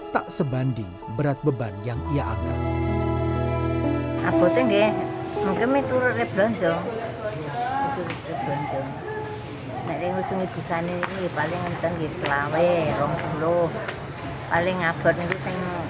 tak sebanding berat beban yang ia akan